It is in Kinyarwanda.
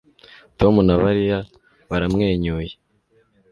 Tom na Mariya baramwenyuye